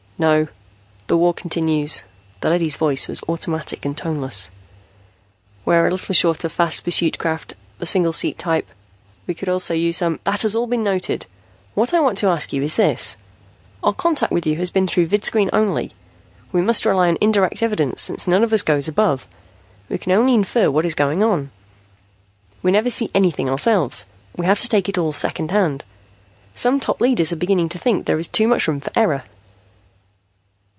"No. The war continues." The leady's voice was automatic and toneless. "We are a little short of fast pursuit craft, the single seat type. We could use also some " "That has all been noted. What I want to ask you is this. Our contact with you has been through vidscreen only. We must rely on indirect evidence, since none of us goes above. We can only infer what is going on. We never see anything ourselves. We have to take it all secondhand. Some top leaders are beginning to think there's too much room for error."